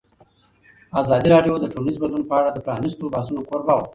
ازادي راډیو د ټولنیز بدلون په اړه د پرانیستو بحثونو کوربه وه.